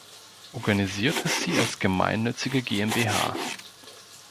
Organisiert ist sie als gemeinnützige GmbH.